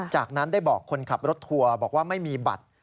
จากนั้นได้บอกคนขับรถทัวร์บอกว่าไม่มีบัตร